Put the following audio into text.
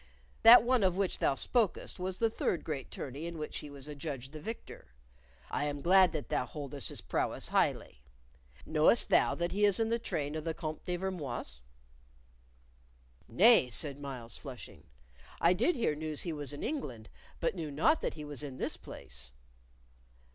That one of which thou spokest was the third great tourney in which he was adjudged the victor. I am glad that thou holdest his prowess highly. Knowest thou that he is in the train of the Comte de Vermoise?" "Nay," said Myles, flushing; "I did hear news he was in England, but knew not that he was in this place."